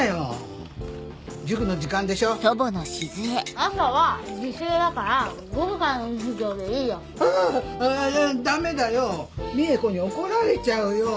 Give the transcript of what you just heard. あダメだよ三枝子に怒られちゃうよ。